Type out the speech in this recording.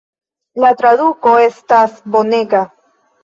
La traduko estas bonega.